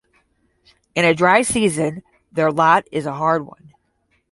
In a dry season their lot is a hard one.